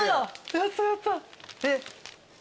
やったやった。